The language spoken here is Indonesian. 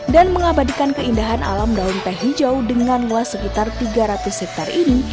dan mengabadikan keindahan alam daun teh hijau dengan luas sekitar tiga ratus hektare ini